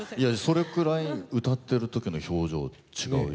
それくらい歌ってる時の表情違うよ。